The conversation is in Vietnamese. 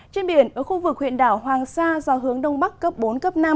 trên biển ở khu vực huyện đảo hoàng sa do hướng đông bắc cấp bốn năm